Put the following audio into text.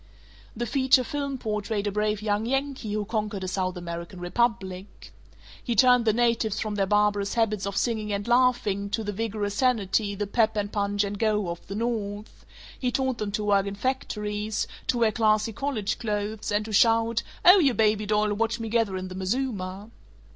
The feature film portrayed a brave young Yankee who conquered a South American republic. He turned the natives from their barbarous habits of singing and laughing to the vigorous sanity, the Pep and Punch and Go, of the North; he taught them to work in factories, to wear Klassy Kollege Klothes, and to shout, "Oh, you baby doll, watch me gather in the mazuma."